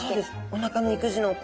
おなかの育児のう